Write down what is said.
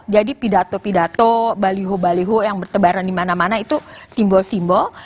jadi pidato pidato baliho baliho yang bertebaran dimana mana itu simbol simbol